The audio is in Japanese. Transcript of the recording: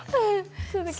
それだけ？